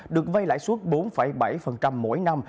được vây lại suốt bốn bảy mỗi năm